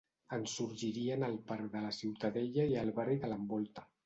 En sorgirien el parc de la Ciutadella i el barri que l'envolta.